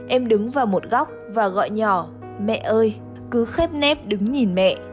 em đứng vào một góc và gọi nhỏ mẹ ơi cứ khép nếp đứng nhìn mẹ